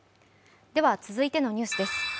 続いてのニュースです。